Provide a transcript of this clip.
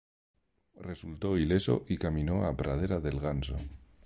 Resultó ileso y caminó a Pradera del Ganso.